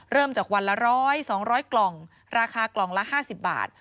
เริ่มจากวันละ๑๐๐๒๐๐กล่องราคากล่องละ๕๐บาท